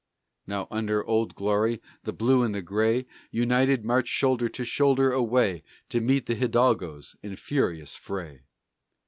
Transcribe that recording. _ Now under Old Glory, the Blue and the Gray United march shoulder to shoulder away, To meet the Hidalgos in furious fray.